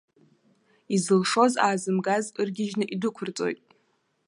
Изылшоз аазымгаз ыргьежьны идәықәырҵоит.